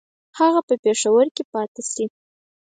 هغه په پېښور کې پاته شي.